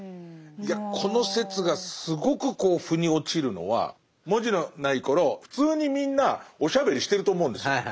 いやこの説がすごくこう腑に落ちるのは文字のない頃普通にみんなおしゃべりしてると思うんですよ。